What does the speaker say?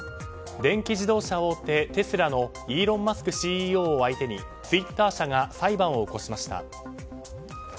電気自動車大手テスラのイーロン・マスク氏を相手にツイッター社が裁判を起こしました。